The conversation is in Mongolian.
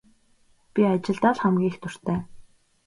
Би ажилдаа л хамгийн их дуртай.